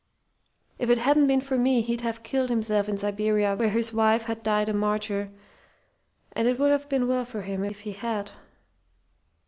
If it hadn't been for me he'd have killed himself in Siberia where his wife had died a martyr; and it would have been well for him if he had!